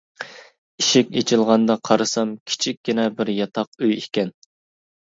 ئىشىك ئېچىلغاندا قارىسام، كىچىككىنە بىر ياتاق ئۆي ئىكەن.